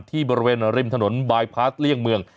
ที่บริเวณริมถนนบายพาสเลี่ยงเมือง